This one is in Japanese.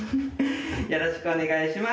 よろしくお願いします。